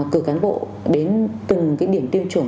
cử cán bộ đến từng điểm tiêm chủng